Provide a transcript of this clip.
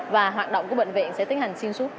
và hoạt động của bệnh viện sẽ tiến hành xuyên suốt